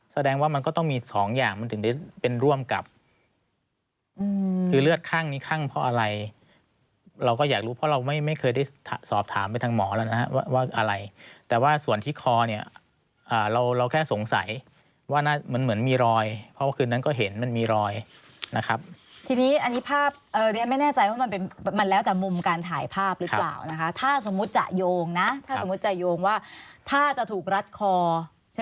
เราก็อยากรู้เพราะเราไม่ไม่เคยได้สอบถามไปทางหมอแล้วนะฮะว่าอะไรแต่ว่าส่วนที่คอเนี่ยอ่าเราเราแค่สงสัยว่าน่าเหมือนเหมือนมีรอยเพราะว่าคืนนั้นก็เห็นมันมีรอยนะครับทีนี้อันนี้ภาพเออเรียนไม่แน่ใจว่ามันเป็นมันแล้วแต่มุมการถ่ายภาพหรือเปล่านะคะถ้าสมมุติจะโยงนะถ้าสมมุติจะโยงว่าถ้าจะถูกรัดคอใช